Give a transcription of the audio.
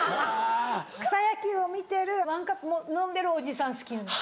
草野球を見てるワンカップ飲んでるおじさん好きなんです。